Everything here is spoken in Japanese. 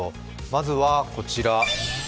まずはこちら。